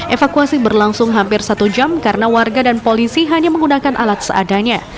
evakuasi berlangsung hampir satu jam karena warga dan polisi hanya menggunakan alat seadanya